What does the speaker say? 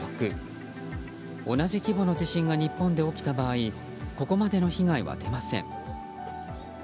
同じ規模の地震が日本で起きた場合ここまでの被害は出ません。